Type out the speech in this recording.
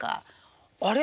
あれ？